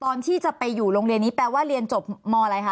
ตอนที่จะไปอยู่โรงเรียนนี้แปลว่าเรียนจบมอะไรคะ